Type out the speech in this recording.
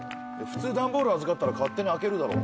普通段ボール預かったら勝手に開けるだろ？